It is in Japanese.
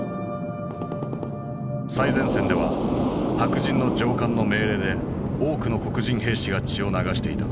最前線では白人の上官の命令で多くの黒人兵士が血を流していた。